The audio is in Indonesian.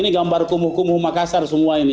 ini gambar kumuh kumuh makassar semua ini